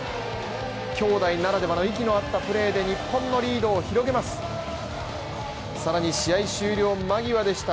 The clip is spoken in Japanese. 兄弟ならではの息の合ったプレーで日本のリードを広げます更に試合終了間際でした。